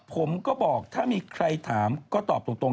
ผมก็บอกถ้ามีใครถามก็ตอบตรง